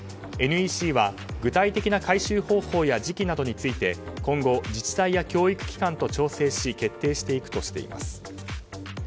ＮＥＣは具体的な回収方法や時期などについて今後、自治体や教育機関と調整し決定していくとしています。